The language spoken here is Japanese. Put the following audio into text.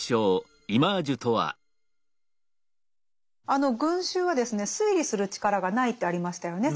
あの群衆はですね推理する力がないってありましたよね